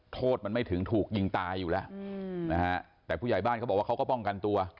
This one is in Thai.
โทษมันไม่ถึงถูกยิงตายอยู่แล้วนะฮะแต่ผู้ใหญ่บ้านเขาบอกว่าเขาก็ป้องกันตัว